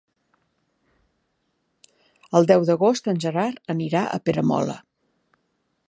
El deu d'agost en Gerard anirà a Peramola.